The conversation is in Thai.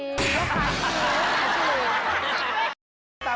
ยกขาชียกขาชี